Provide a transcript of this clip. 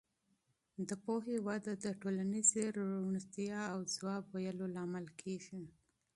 د پوهې وده د ټولنیزې روڼتیا او ځواب ویلو لامل کېږي.